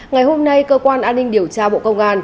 ngày hôm nay cơ quan an ninh điều tra bộ công an